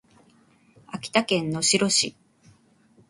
秋田県能代市